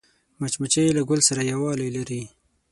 مچمچۍ له ګل سره یووالی لري